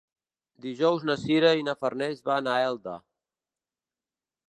Dijous na Sira i na Farners van a Elda.